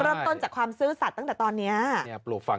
เริ่มต้นจากความซื่อสัตว์ตั้งแต่ตอนเนี้ย